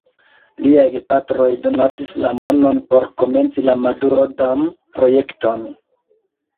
Liaj gepatroj donacis la monon por komenci la Madurodam-projekton.